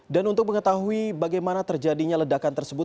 dan untuk mengetahui bagaimana terjadinya ledakan tersebut